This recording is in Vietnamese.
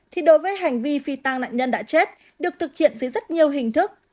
thì đối với hành vi phi tăng nạn nhân đã chết được thực hiện dưới rất nhiều hình thức